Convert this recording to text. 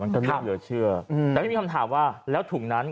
มันก็มีเยอะเชื่ออืมแล้วมีคำถามว่าแล้วถุงนั้น